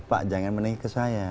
pak jangan menikah ke saya